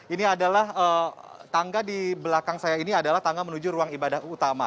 ini adalah tangga di belakang saya ini adalah tangga menuju ruang ibadah utama